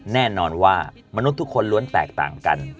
แน่นอนว่ามนุษย์ทุกคนล้วนแตกต่างกัน